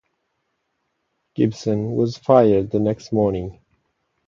Gibson was fired the next morning.